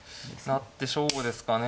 成って勝負ですかね。